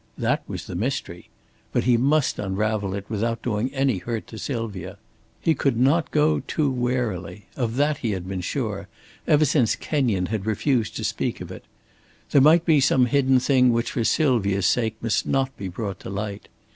That was the mystery. But he must unravel it without doing any hurt to Sylvia. He could not go too warily of that he had been sure, ever since Kenyon had refused to speak of it. There might be some hidden thing which for Sylvia's sake must not be brought to light.